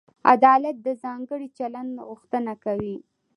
عدالت د ځانګړي چلند غوښتنه کوي.